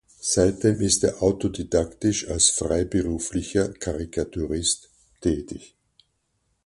Seitdem ist er autodidaktisch als freiberuflicher Karikaturist tätig.